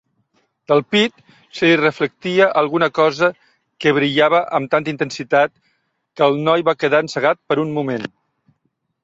Del pit, se li reflectia alguna cosa que brillava amb tanta intensitat que el noi va quedar encegat per un moment.